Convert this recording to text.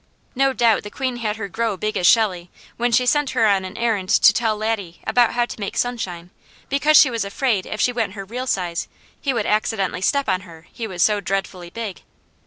No doubt the Queen had her grow big as Shelley, when she sent her on an errand to tell Laddie about how to make sunshine; because she was afraid if she went her real size he would accidentally step on her, he was so dreadfully big.